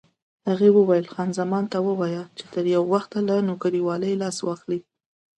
هغې وویل: خان زمان ته ووایه چې تر یو وخته له نوکرېوالۍ لاس واخلي.